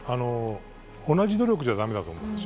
同じ努力じゃだめだと思うんです。